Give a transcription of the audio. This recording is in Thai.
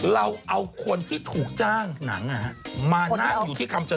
เราเอาคนที่ถูกจ้างหนังอ่ะฮะมานั่งอยู่ที่กรรมชโนธ